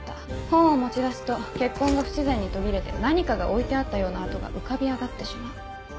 本を持ち出すと血痕が不自然に途切れて何かが置いてあったような跡が浮かび上がってしまう。